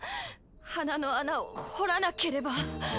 鼻の穴を掘らなければ。